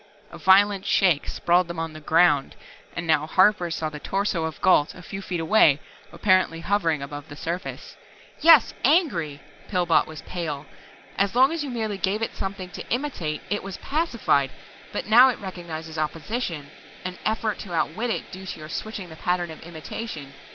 A violent shake sprawled them on the "ground" and now Harper saw the torso of Gault, a few feet away, apparently hovering above the surface. "Yes, angry!" Pillbot was pale. "As long as you merely gave it something to imitate it was pacified. But now it recognizes opposition, an effort to outwit it due to your switching the pattern of imitation.